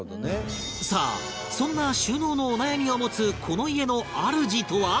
さあそんな収納のお悩みを持つこの家の主とは？